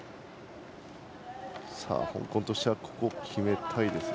香港としては、ここ決めたいですよ。